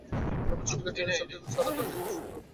ব্যাপার চুকিলে টিনের চালটি ছাড়া ঘরটিকে বিসর্জন দেওয়া হয়।